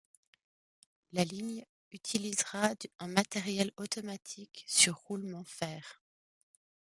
La ligne utilisera un matériel automatique, sur roulement fer.